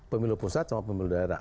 pemilu pusat sama pemilu daerah